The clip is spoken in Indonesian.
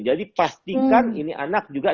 jadi pastikan ini anak juga